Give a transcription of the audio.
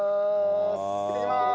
行ってきまーす。